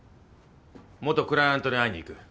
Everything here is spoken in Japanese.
元クライアントに会いに行く。